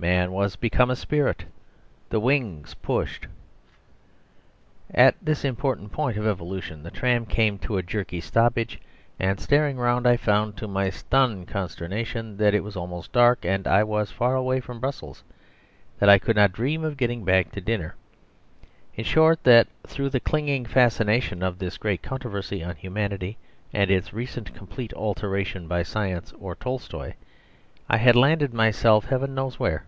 Man was become a spirit; the wings pushed.... ..... At this important point of evolution the tram came to a jerky stoppage; and staring around I found, to my stunned consternation, that it was almost dark, that I was far away from Brussels, that I could not dream of getting back to dinner; in short, that through the clinging fascination of this great controversy on Humanity and its recent complete alteration by science or Tolstoy, I had landed myself Heaven knows where.